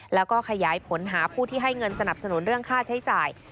แล้วก็ขยายผลหาผู้ที่ให้เงินสนับสนุนเรื่องค่าใช้จ่าย